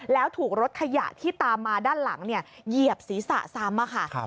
แล้วถูกรถขยะที่ตามมาด้านหลังเหยียบศีรษะซ้ำค่ะ